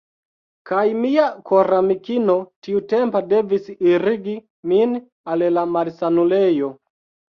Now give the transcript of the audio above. Kaj mia koramikino tiutempa devis irigi min al la malsanulejo.